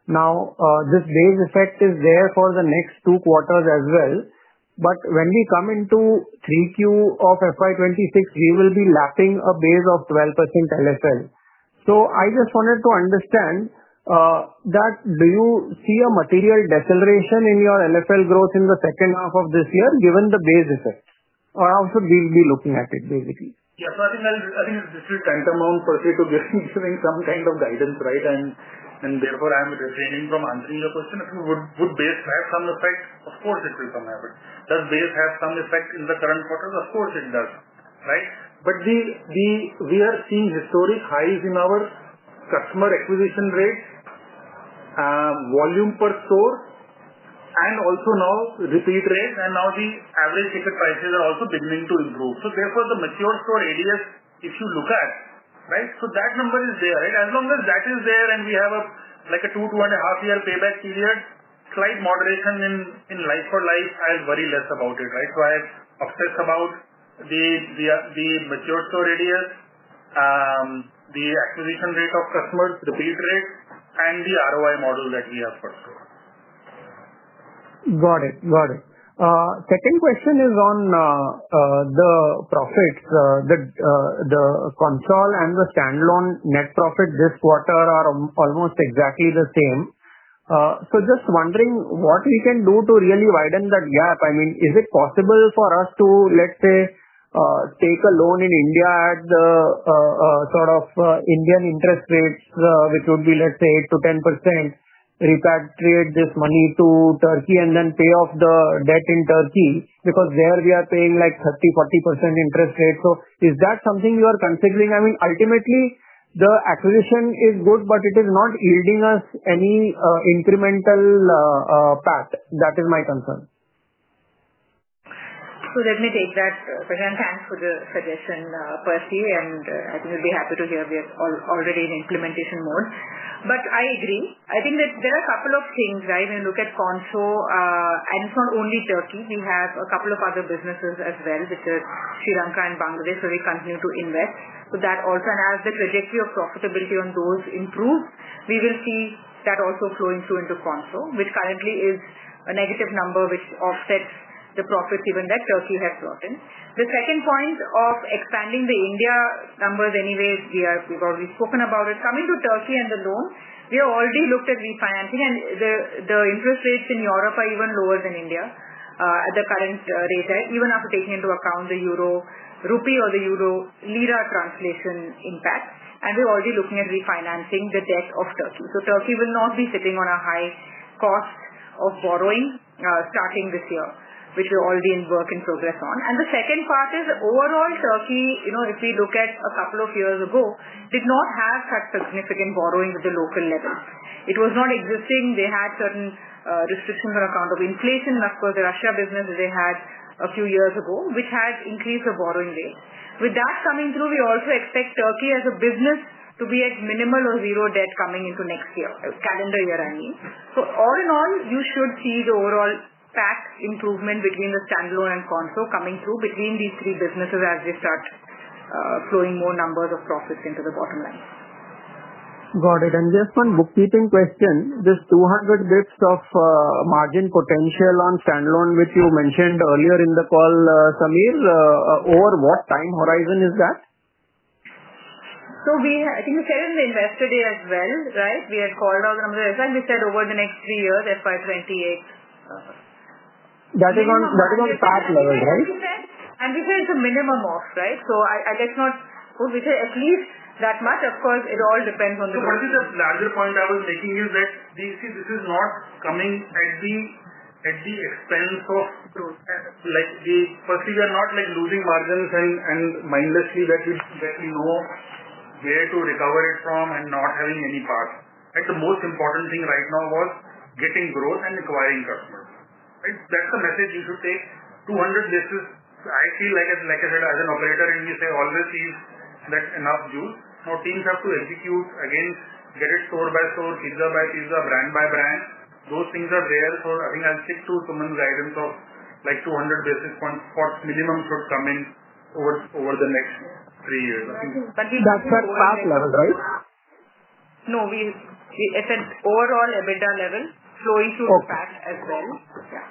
Now, this base effect is there for the next two quarters as well. When we come into 3Q of FY2026, we will be lapping a base of 12% LFL. I just wanted to understand, do you see a material deceleration in your LFL growth in the second half of this year given the base effect? How should we be looking at it, basically? Yeah. I think it's actually tantamount, Percy, to giving some kind of guidance, right? Therefore, I'm refraining from answering your question. Would base have some effect? Of course, it will come out. Does base have some effect in the current quarters? Of course, it does, right? We are seeing historic highs in our customer acquisition rate, volume per store, and also now repeat rate. Now the average ticket prices are also beginning to improve. Therefore, the mature store areas, if you look at, right, that number is there, right? As long as that is there and we have a 2-2.5 year payback period, slight moderation in life for life, I'll worry less about it, right? I'm obsessed about the mature store areas, the acquisition rate of customers, repeat rate, and the ROI model that we have for store. Got it. Got it. Second question is on the profits. The console and the standalone net profit this quarter are almost exactly the same. Just wondering what we can do to really widen that gap. I mean, is it possible for us to, let's say, take a loan in India at the sort of Indian interest rates, which would be, let's say, 8%-10%, repatriate this money to Turkey, and then pay off the debt in Turkey because there we are paying like 30%-40% interest rate? Is that something you are considering? I mean, ultimately, the acquisition is good, but it is not yielding us any incremental PAT. That is my concern. Let me take that. Percy, thanks for the suggestion, Percy. I think you will be happy to hear we are already in implementation mode. I agree. I think that there are a couple of things, right? When you look at console, and it is not only Turkey, we have a couple of other businesses as well, which are Sri Lanka and Bangladesh, where we continue to invest. That also, and as the trajectory of profitability on those improves, we will see that also flowing through into console, which currently is a negative number, which offsets the profits even that Turkey has brought in. The second point of expanding the India numbers anyway, we have already spoken about it. Coming to Turkey and the loan, we have already looked at refinancing, and the interest rates in Europe are even lower than India at the current rate, right? Even after taking into account the Euro Rupee or the Euro Lira translation impact. We are already looking at refinancing the debt of Turkey. Turkey will not be sitting on a high cost of borrowing starting this year, which we are already in work in progress on. The second part is overall Turkey, if we look at a couple of years ago, did not have such significant borrowing at the local level. It was not existing. They had certain restrictions on account of inflation and, of course, the Russia business that they had a few years ago, which had increased the borrowing rate. With that coming through, we also expect Turkey as a business to be at minimal or zero debt coming into next year, calendar year, I mean. All in all, you should see the overall pack improvement between the standalone and console coming through between these three businesses as they start flowing more numbers of profits into the bottom line. Got it. Just one bookkeeping question. This 200 basis points of margin potential on standalone, which you mentioned earlier in the call, Sameer, over what time horizon is that? I think we said it in the investor day as well, right? We had called out on the investor day, and we said over the next three years, FY2026. That is on path level, right? We said it's a minimum off, right? Let's not put we said at least that much. Of course, it all depends on the. What is the larger point I was making is that this is not coming at the expense of the, firstly, we are not losing margins and mindlessly that we know where to recover it from and not having any path. The most important thing right now was getting growth and acquiring customers. That's the message you should take. 200 basis points, I feel like, like I said, as an operator, and you say, "All this is enough juice." Now, teams have to execute against, get it store by store, pizza by pizza, brand by brand. Those things are there. I think I'll stick to someone's guidance of like 200 basis points for minimum should come in over the next three years. We didn't talk about path level, right? No, we said overall EBITDA level flowing through the PAT as well. Okay.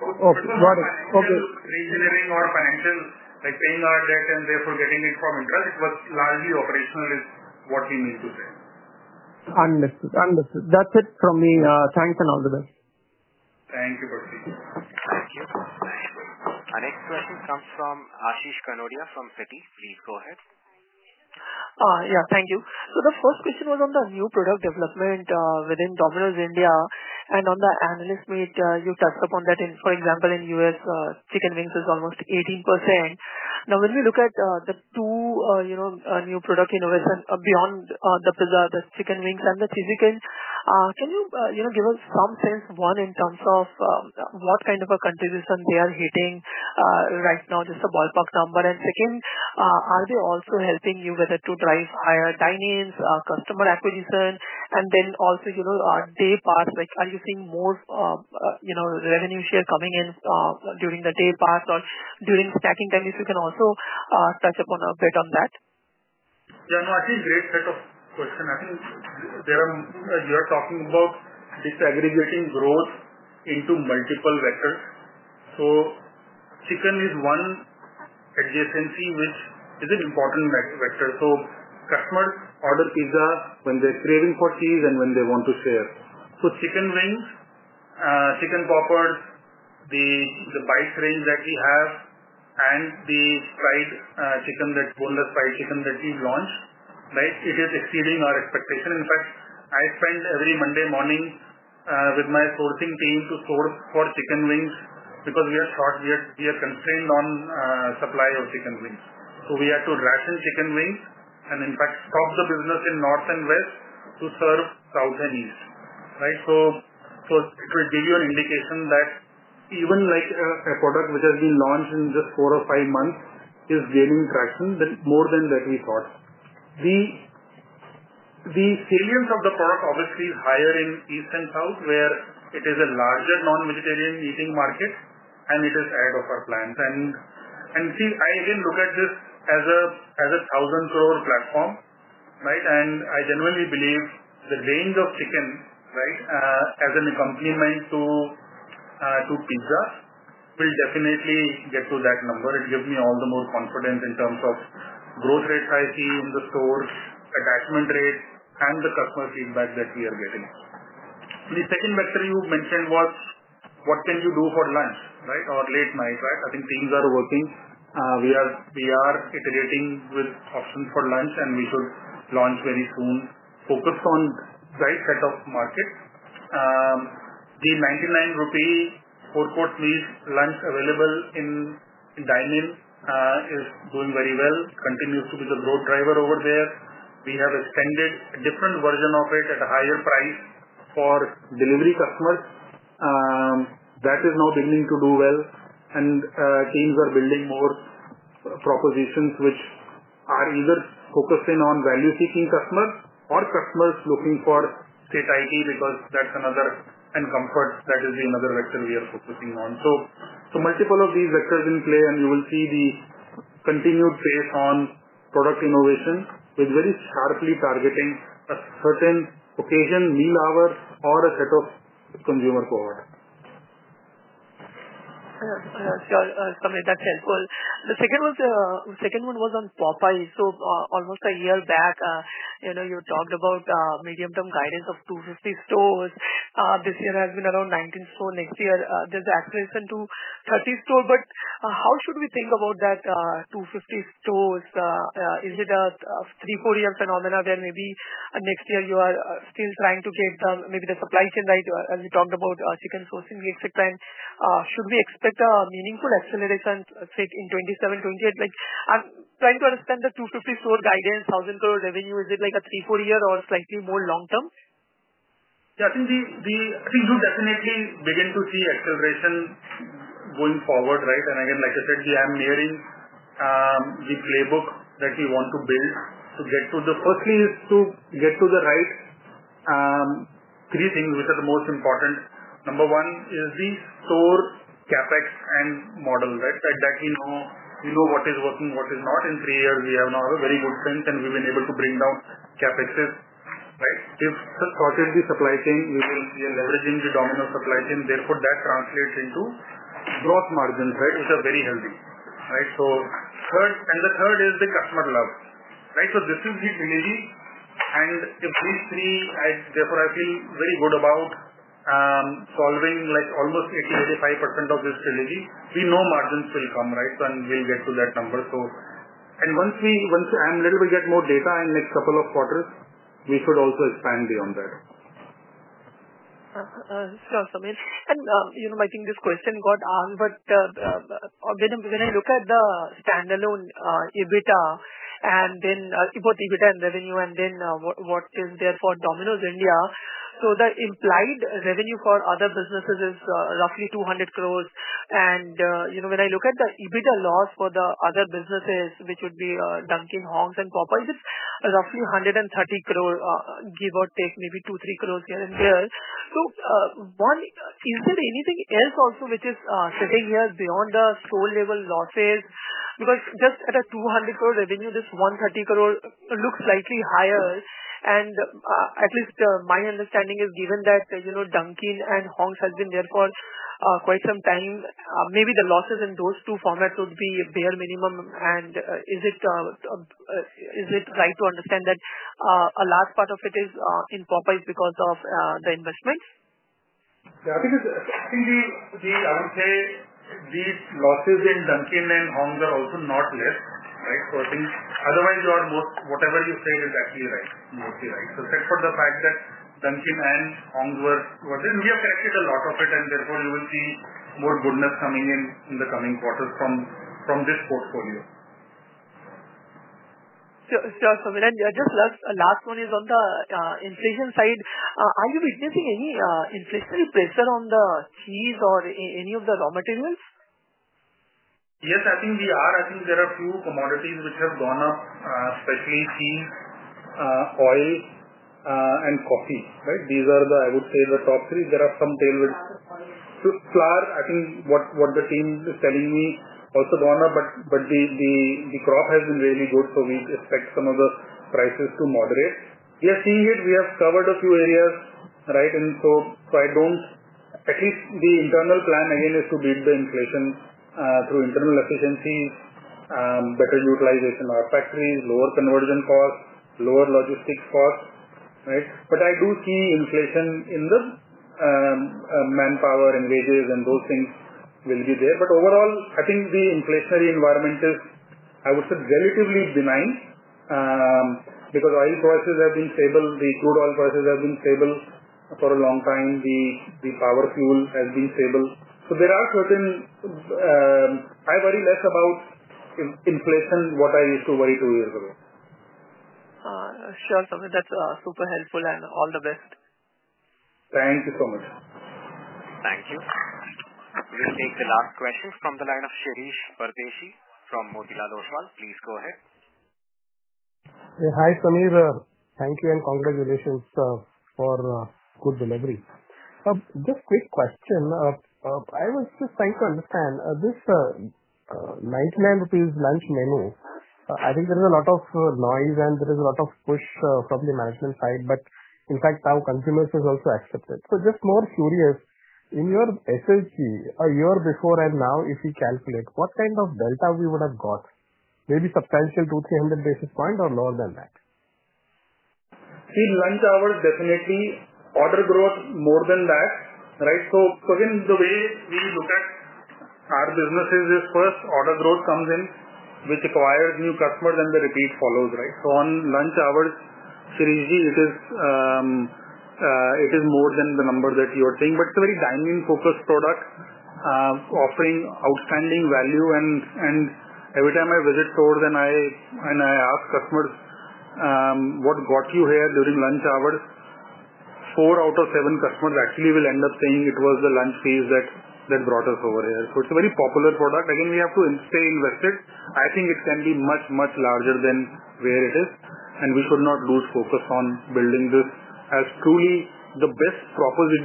Okay. Got it. Okay. Retailing or financial, like paying our debt and therefore getting it from interest, it was largely operational is what we mean to say. Understood. Understood. That's it from me. Thanks and all the best. Thank you, Percy. Thank you. Our next question comes from Ashish Kanodia from SETI. Please go ahead. Yeah. Thank you. The first question was on the new product development within Domino's India. On the analyst meet, you touched upon that. For example, in the U.S., chicken wings is almost 18%. Now, when we look at the two new product innovations beyond the pizza, the chicken wings and the cheesecake, can you give us some sense, one, in terms of what kind of a contribution they are hitting right now, just a ballpark number? Second, are they also helping you whether to drive higher dinings, customer acquisition, and then also day pass? Are you seeing more revenue share coming in during the day pass or during snacking time? If you can also touch upon a bit on that. Yeah. No, I think great set of questions. I think you are talking about disaggregating growth into multiple vectors. Chicken is one adjacency, which is an important vector. Customers order pizza when they're craving for cheese and when they want to share. Chicken wings, chicken poppers, the bites range that we have, and the fried chicken, that boneless fried chicken that we've launched, right, it is exceeding our expectation. In fact, I spend every Monday morning with my sourcing team to source for chicken wings because we are constrained on supply of chicken wings. We had to ration chicken wings and, in fact, stop the business in north and west to serve south and east, right? It will give you an indication that even a product which has been launched in just four or five months is gaining traction more than we thought. The salience of the product obviously is higher in East and South, where it is a larger non-vegetarian eating market, and it is ahead of our plans. I again look at this as a Rs 1,000 crore platform, right? I genuinely believe the range of chicken, right, as an accompaniment to pizza will definitely get to that number. It gives me all the more confidence in terms of growth rates I see in the stores, attachment rate, and the customer feedback that we are getting. The second vector you mentioned was, what can you do for lunch, right, or late night, right? I think teams are working. We are iterating with options for lunch, and we should launch very soon. Focused on the right set of markets. The Rs 99 four-quart meat lunch available in dining is doing very well. Continues to be the growth driver over there. We have extended a different version of it at a higher price for delivery customers. That is now beginning to do well. Teams are building more propositions which are either focused in on value-seeking customers or customers looking for state IT because that's another and comfort. That is another vector we are focusing on. Multiple of these vectors in play, and you will see the continued pace on product innovation with very sharply targeting a certain occasion, meal hour, or a set of consumer cohort. Sorry, that's helpful. The second one was on Popeyes. Almost a year back, you talked about medium-term guidance of 250 stores. This year has been around 19 stores. Next year, there's acceleration to 30 stores. How should we think about that 250 stores? Is it a three-four year phenomenon where maybe next year you are still trying to get maybe the supply chain right, as you talked about chicken sourcing, etc.? Should we expect a meaningful acceleration in 2027, 2028? I'm trying to understand the 250 store guidance, Rs 1,000 crore revenue. Is it like a three-four year or slightly more long-term? Yeah. I think you definitely begin to see acceleration going forward, right? Again, like I said, we are mirroring the playbook that we want to build to get to the firstly is to get to the right three things, which are the most important. Number one is the store, CapEx, and model, right? That we know what is working, what is not. In three years, we have now a very good strength, and we've been able to bring down CapExes, right? If shortened the supply chain, we will be leveraging the Domino's supply chain. Therefore, that translates into gross margins, right, which are very healthy, right? The third is the customer love, right? This is the trilogy. If these three, therefore, I feel very good about solving almost 80-85% of this trilogy. We know margins will come, right? We'll get to that number. Once I get a little bit more data in the next couple of quarters, we should also expand beyond that. Sorry, Sameer. I think this question got asked, but when I look at the standalone EBITDA and then both EBITDA and revenue, and then what is there for Domino's India, the implied revenue for other businesses is roughly Rs 2,000,000,000. When I look at the EBITDA loss for the other businesses, which would be Dunkin', Hong's, and Popeyes, it is roughly Rs 1,300,000,000, give or take maybe Rs 20,000,000-Rs 30,000,000 here and there. Is there anything else also which is sitting here beyond the store-level losses? Because just at a Rs 2,000,000,000 revenue, this Rs 1,300,000,000 looks slightly higher. At least my understanding is given that Dunkin' and Hong's have been there for quite some time. Maybe the losses in those two formats would be bare minimum. Is it right to understand that a large part of it is in Popeyes because of the investment? Yeah. I think the, I would say, the losses in Dunkin' and Hong's are also not less, right? I think otherwise, whatever you said is actually right, mostly right. Except for the fact that Dunkin' and Hong's were good, we have corrected a lot of it, and therefore you will see more goodness coming in the coming quarters from this portfolio. Sorry, Sameer, just last one is on the inflation side. Are you witnessing any inflationary pressure on the cheese or any of the raw materials? Yes, I think we are. I think there are a few commodities which have gone up, especially cheese, oil, and coffee, right? These are, I would say, the top three. There are some tailored flour. I think what the team is telling me also gone up, but the crop has been really good, so we expect some of the prices to moderate. We are seeing it. We have covered a few areas, right? I don't, at least the internal plan again is to beat the inflation through internal efficiencies, better utilization of factories, lower conversion costs, lower logistics costs, right? I do see inflation in the manpower and wages and those things will be there. Overall, I think the inflationary environment is, I would say, relatively benign because oil prices have been stable. The crude oil prices have been stable for a long time. The power fuel has been stable. There are certain I worry less about inflation what I used to worry two years ago. Sure, Sameer. That's super helpful and all the best. Thank you so much. Thank you. We'll take the last question from the line of Shirish Pardeshi from Motilal Oswal. Please go ahead. Hi, Sameer. Thank you and congratulations for good delivery. Just quick question. I was just trying to understand this Rs 99 lunch menu. I think there is a lot of noise and there is a lot of push from the management side, but in fact, our consumers have also accepted. Just more curious, in your SSG a year before and now, if we calculate, what kind of delta we would have got? Maybe substantial 200-300 basis points or more than that? See, lunch hours definitely order growth more than that, right? Again, the way we look at our businesses is first, order growth comes in, which acquires new customers, and the repeat follows, right? On lunch hours, Shirishji, it is more than the number that you are seeing. It is a very dining-focused product, offering outstanding value. Every time I visit stores and I ask customers, "What got you here during lunch hours?" four out of seven customers actually will end up saying it was the lunch fees that brought us over here. It is a very popular product. We have to stay invested. I think it can be much, much larger than where it is. We should not lose focus on building this as truly the best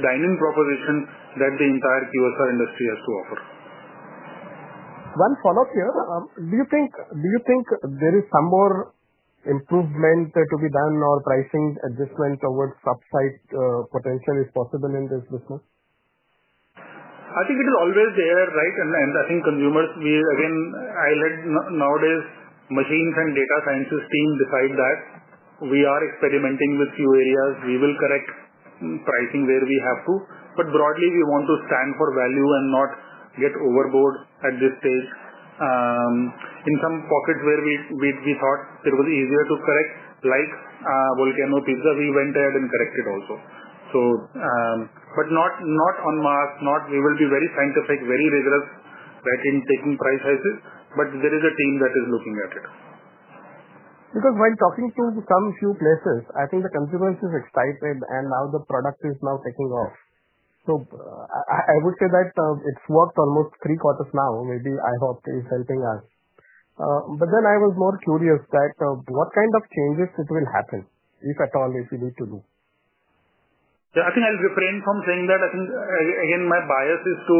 dining proposition that the entire QSR industry has to offer. One follow-up here. Do you think there is some more improvement to be done or pricing adjustment towards subside potential is possible in this business? I think it is always there, right? I think consumers, again, I lead nowadays machines and data sciences team. Beside that, we are experimenting with few areas. We will correct pricing where we have to. Broadly, we want to stand for value and not get overboard at this stage. In some pockets where we thought it was easier to correct, like Chicken Volcano Pizza, we went ahead and corrected also. Not en masse. We will be very scientific, very rigorous in taking price hikes. There is a team that is looking at it. Because when talking to some few places, I think the consumers are excited, and now the product is now taking off. I would say that it's worked almost three quarters now. Maybe I hope it's helping us. I was more curious that what kind of changes will happen, if at all, if you need to do? Yeah. I think I'll refrain from saying that. I think, again, my bias is to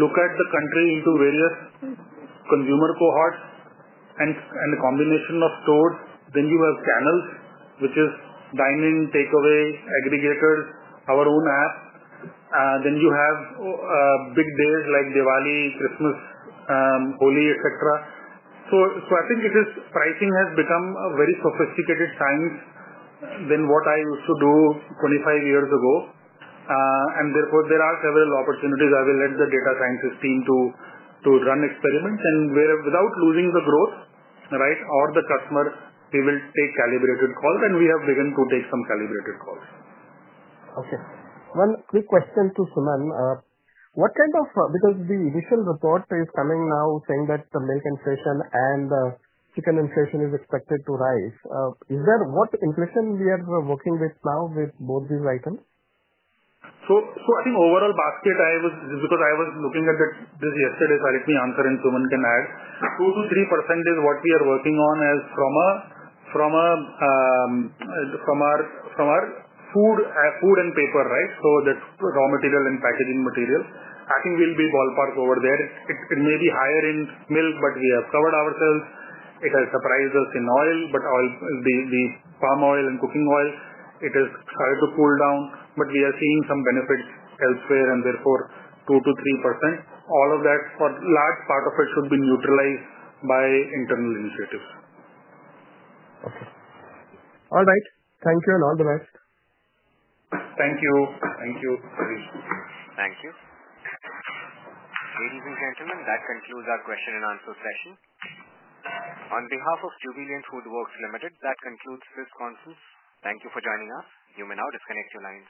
look at the country into various consumer cohorts and the combination of stores. You have channels, which is dining, takeaway, aggregators, our own app. You have big days like Diwali, Christmas, Holi, etc. I think pricing has become a very sophisticated science than what I used to do 25 years ago. Therefore, there are several opportunities. I will let the data sciences team run experiments and without losing the growth, right, or the customer, we will take calibrated calls. We have begun to take some calibrated calls. Okay. One quick question to Suman. What kind of, because the initial report is coming now saying that the milk inflation and chicken inflation is expected to rise, what inflation are we working with now with both these items? I think overall basket, because I was looking at this yesterday, let me answer, and Suman can add. 2-3% is what we are working on from our food and paper, right? So that raw material and packaging material. I think we will be ballpark over there. It may be higher in milk, but we have covered ourselves. It has surprised us in oil, but the palm oil and cooking oil, it has started to cool down. We are seeing some benefits elsewhere, and therefore 2-3%. All of that, a large part of it should be neutralized by internal initiatives. Okay. All right. Thank you and all the best. Thank you. Thank you, Shirish. Thank you. Ladies and gentlemen, that concludes our question and answer session. On behalf of Jubilant FoodWorks Limited, that concludes this conference. Thank you for joining us. You may now disconnect your lines.